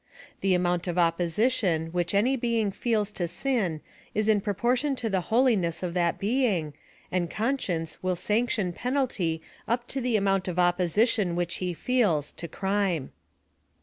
The amount of oppo sition which any being feels to sin is in proportion to the holiness of that being, and conscience will sanction penalty up to the amount of opposition which he feels to crime.